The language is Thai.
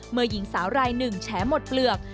เมื่อหญิงสาวรายหนึ่งแชร์หมดเปลือก